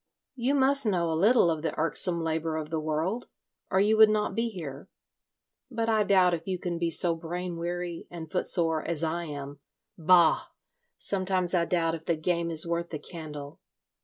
"You must know a little of the irksome labour of the world, or you would not be here. But I doubt if you can be so brain weary and footsore as I am .... Bah! Sometimes I doubt if the game is worth the candle.